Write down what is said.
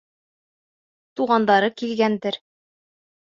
Туғандары килгәндер.